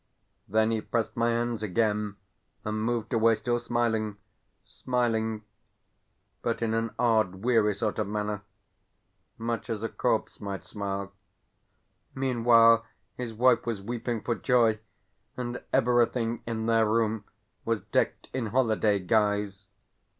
Then he pressed my hands again, and moved away still smiling, smiling, but in an odd, weary sort of manner, much as a corpse might smile. Meanwhile his wife was weeping for joy, and everything in their room was decked in holiday guise.